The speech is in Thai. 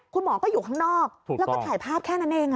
คุณหมอก็อยู่ข้างนอกแล้วก็ถ่ายภาพแค่นั้นเอง